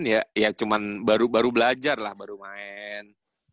itu sembilan puluh delapan ya ya cuman baru baru belajar lah baru main